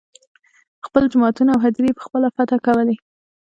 خپل جوماتونه او هدیرې یې په خپله فتحه کولې.